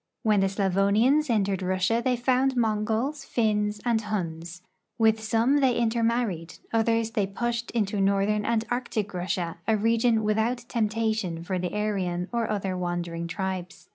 ^Vhen the Slavonians entered Russia they found Mongols, Finns, and Huns; with .some they intermarried; others they pushed into northern and Arctic Russia, a region without temptation for the Aryan or other Avandering tribes.